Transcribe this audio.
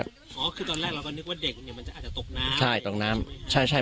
อ๋อคือตอนแรกเราก็นึกว่าเด็กเนี่ยมันจะอาจจะตกน้ำใช่ตกน้ำใช่ใช่